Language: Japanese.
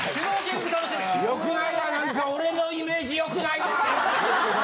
良くないわなんか俺のイメージ良くないわ。